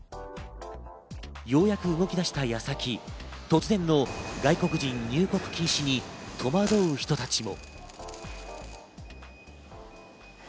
ようやく動き出した矢先、突然の外国人入国禁止に戸惑う人たちも。